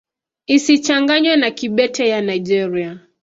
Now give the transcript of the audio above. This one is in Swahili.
Isichanganywe na Kibete ya Nigeria.